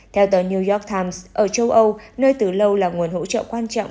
theo tờ new york times ở châu âu nơi từ lâu là nguồn hỗ trợ quan trọng